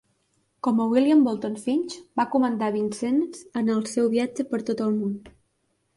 Com a William Bolton Finch, va comandar "Vincennes" en el seu viatge per tot el món.